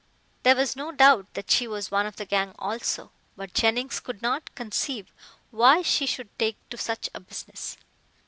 There was no doubt that she was one of the gang also, but Jennings could not conceive why she should take to such a business.